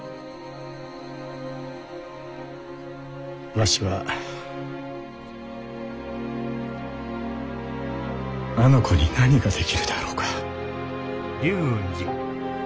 わしはあの子に何ができるであろうか。